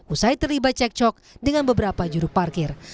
usai terlibat cekcok dengan beberapa juru parkir